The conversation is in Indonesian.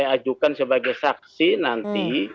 yang saya ajukan sebagai saksi nanti